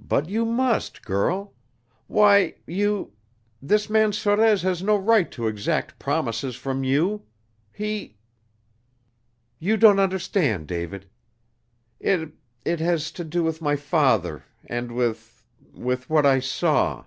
"But you must, girl. Why you this man Sorez has no right to exact promises from you. He " "You don't understand, David. It it has to do with my father and with with what I saw."